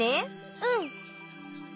うん。